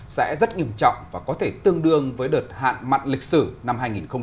sẽ rất nghiêm trọng và có thể tương đương với đợt hạn mặn lịch sử năm hai nghìn một mươi sáu